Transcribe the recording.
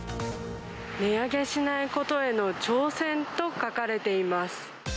値上げしないことへの挑戦と書かれています。